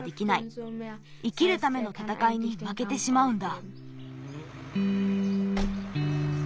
生きるためのたたかいにまけてしまうんだ。